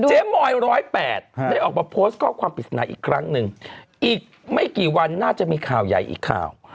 มอย๑๐๘ได้ออกมาโพสต์ข้อความปริศนาอีกครั้งหนึ่งอีกไม่กี่วันน่าจะมีข่าวใหญ่อีกข่าว